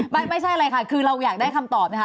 ไม่ใช่อะไรค่ะคือเราอยากได้คำตอบนะคะ